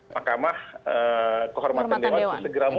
mahkamah kehormatan dewan kehormatan dewan